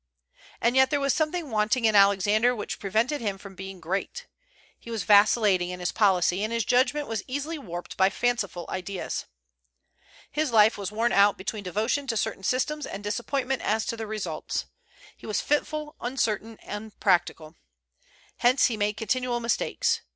And yet there was something wanting in Alexander which prevented him from being great. He was vacillating in his policy, and his judgment was easily warped by fanciful ideas. "His life was worn out between devotion to certain systems and disappointment as to their results. He was fitful, uncertain, and unpractical. Hence he made continual mistakes.